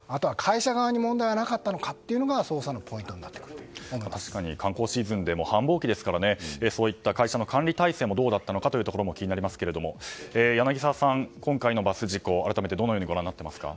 あとは会社側に問題がなかったのかが捜査のポイントになってくると観光シーズンで繁忙期ですからそういった会社の管理体制がどうだったのかも気になりますが柳澤さん、今回のバス事故改めてどうご覧になっていますか？